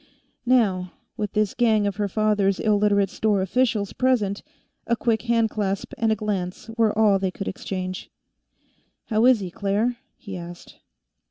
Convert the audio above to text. Now, with this gang of her father's Illiterate store officials present, a quick handclasp and a glance were all they could exchange. "How is he, Claire?" he asked.